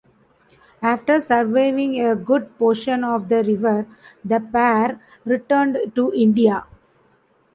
After surveying a good portion of the river, the pair returned to India.